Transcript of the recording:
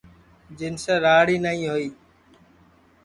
جنسے راڑ ہی نائی ہوئی